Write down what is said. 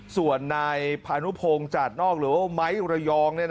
ส่วนนายพานุพงศ์จาดนอกหรือว่าไม้ระยอง